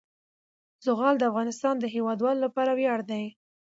زغال د افغانستان د هیوادوالو لپاره ویاړ دی.